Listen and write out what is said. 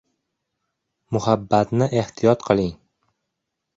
Muhabbatni ehtiyot qiling